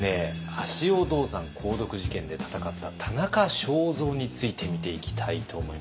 足尾銅山鉱毒事件で闘った田中正造について見ていきたいと思います。